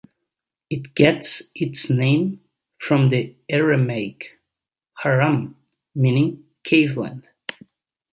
It gets its name from the Aramaic "Hawran", meaning "cave land.